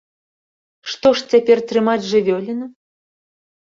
Што ж цяпер трымаць жывёліну?